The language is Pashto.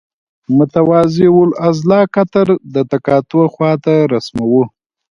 متوازی الاضلاع قطر د تقاطع خواته رسموو.